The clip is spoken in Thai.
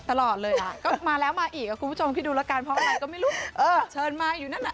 ก็มาแล้วมาอีกกับคุณผู้ชมที่ดูแล้วกันเพราะอะไรก็ไม่รู้เชิญมาอยู่นั่น